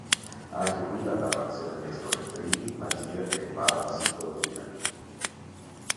Anche qui la narrazione mescola intrighi, magia e parapsicologia.